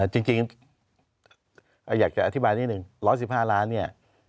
จริงอยากจะอธิบายนิดนึง๑๑๕ล้านเนี่ย